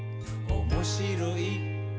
「おもしろい？